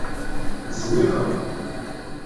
Zwiɣeɣ.